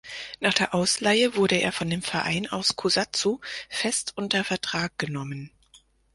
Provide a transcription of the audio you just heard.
Nach der Ausleihe wurde er von dem Verein aus Kusatsu fest unter Vertrag genommen.